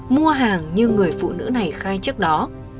mua hàng như người phụ nữ này khai trước đó